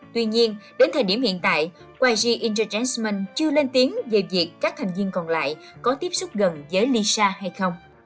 tuy nhiên đến thời điểm hiện tại qj intergentsmond chưa lên tiếng về việc các thành viên còn lại có tiếp xúc gần với lisa hay không